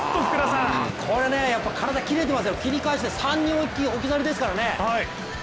これやっぱり体切れてますよ、切り返して３人置き去りですからね。